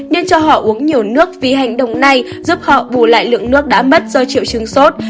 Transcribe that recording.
nên cho họ uống nhiều nước vì hành động này giúp họ bù lại lượng nước đã mất do triệu chứng sốt